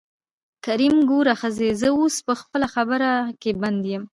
کريم : ګوره ښځې زه اوس په خپله خبره کې بند يم.